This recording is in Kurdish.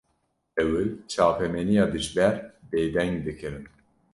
Ewil çapemeniya dijber bêdeng dikirin